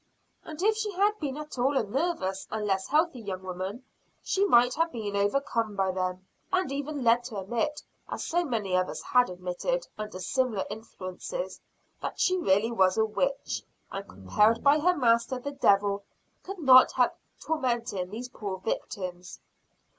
And if she had been at all a nervous and less healthy young woman, she might have been overcome by them, and even led to admit, as so many others had admitted under similar influences, that she really was a witch, and compelled by her master, the devil, could not help tormenting these poor victims.